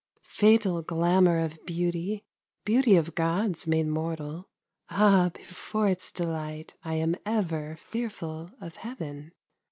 Fatal glamor of beauty, Beauty of Gods made mortal; Ah, before its delight I am ever Fearful of heaven.